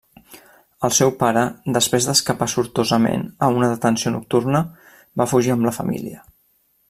El seu pare, després d'escapar sortosament a una detenció nocturna, va fugir amb la família.